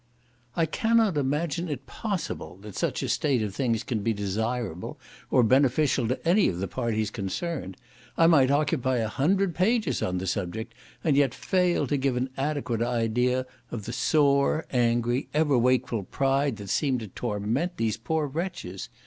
I cannot imagine it possible that such a state of things can be desirable, or beneficial to any of the parties concerned. I might occupy a hundred pages on the subject, and yet fail to give an adequate idea of the sore, angry, ever wakeful pride that seemed to torment these poor wretches.